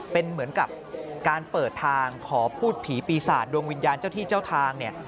เป็นเหมือนกับการเปิดทางขอพูดผีปีศาจดวงวิญญาณเจ้าที่เจ้าทางเนี่ย